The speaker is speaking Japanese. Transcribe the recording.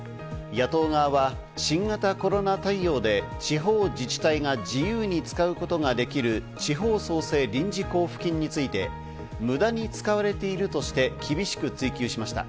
野党側は新型コロナ対応で地方自治体が自由に使うことができる地方創生臨時交付金について、無駄に使われているとして、厳しく追及しました。